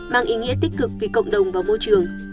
mang ý nghĩa tích cực vì cộng đồng và môi trường